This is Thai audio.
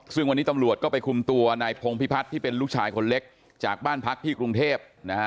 ซึ่งวันนี้ตำรวจก็ไปคุมตัวนายพงพิพัฒน์ที่เป็นลูกชายคนเล็กจากบ้านพักที่กรุงเทพนะฮะ